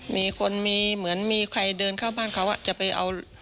มีคนมีเหมือนมีใครเดินเข้าบ้านเขาจะไปเอา